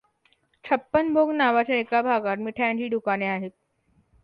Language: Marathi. छप्पन भोग नावाच्या एका भागात मिठायांची दुकाने आहेत.